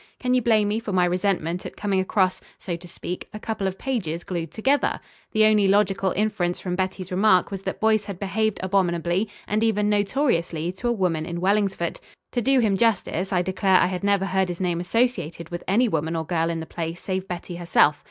Can you blame me for my resentment at coming across, so to speak, a couple of pages glued together? The only logical inference from Betty's remark was that Boyce had behaved abominably and even notoriously to a woman in Wellingsford. To do him justice, I declare I had never heard his name associated with any woman or girl in the place save Betty herself.